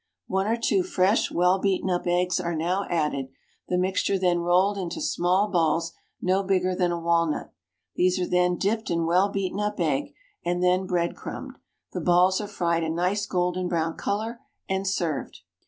One or two fresh well beaten up eggs are now added, the mixture then rolled into small balls no bigger than a walnut. These are then dipped in well beaten up egg, and then bread crumbed. The balls are fried a nice golden brown colour and served.